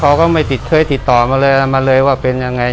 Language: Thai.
เขาก็ไม่เคยติดต่อมาเลยว่าเป็นยังไง